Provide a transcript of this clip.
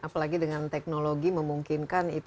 apalagi dengan teknologi memungkinkan